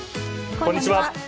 こんにちは。